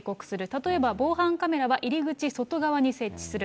例えば防犯カメラは入り口外側に設置する。